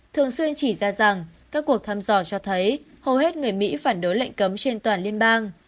thường xuyên chỉ ra rằng các cuộc thăm dò cho thấy hầu hết người mỹ phản đối lệnh cấm trên toàn liên bang